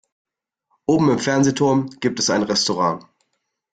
Oben im Fernsehturm gibt es ein Restaurant.